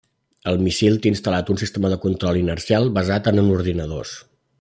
El míssil té instal·lat un sistema de control inercial basat en ordinadors.